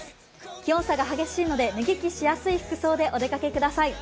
気温差が激しいので脱ぎ着しやすい服装でお出かけください。